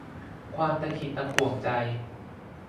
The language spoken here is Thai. ความตะขิดตะขวงใจ